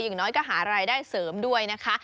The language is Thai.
อย่างน้อยก็หารายได้เสริมด้วยนะคะ